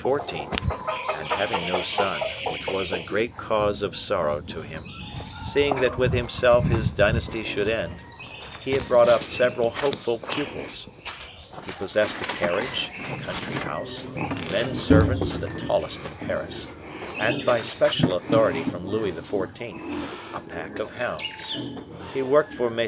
and having no son, which was a great cause of sorrow to him, seeing that with himself his dynasty would end, he had brought up several hopeful pupils. He possessed a carriage, a country house, men servants the tallest in Paris; and by special authority from Louis XIV., a pack of hounds. He worked for MM.